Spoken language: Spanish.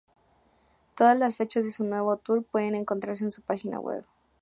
Todas las fechas de su nuevo tour pueden encontrarse en su página web.